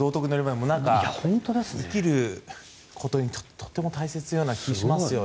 生きることにとても大切なような気がしますよね。